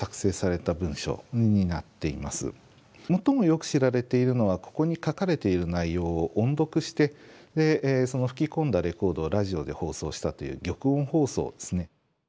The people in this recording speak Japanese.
最もよく知られているのはここに書かれている内容を音読してでその吹き込んだレコードをラジオで放送したという玉音放送ですね。